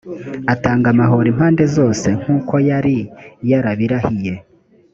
atanga amahoro impande zose nk uko yari yarabirahiye